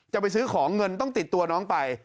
จะไปซื้อของเงินต้องติดตัวน้องไป